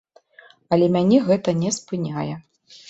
Але мяне гэта не спыняе.